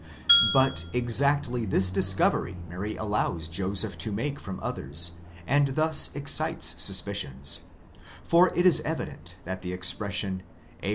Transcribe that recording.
But exactly this discovery Mary allows Joseph to make from others, and thus excites suspicions; for it is evident that the expression εὑρέθη ἐν γαστρὶ ἔχουσα (Matt. i.